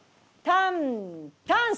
タンタン。